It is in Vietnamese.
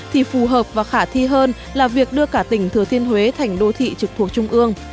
thì phù hợp và khả thi hơn là việc đưa cả tỉnh thừa thiên huế thành đô thị trực thuộc trung ương